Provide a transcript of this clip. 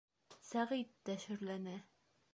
Сәғит тә шөрләне.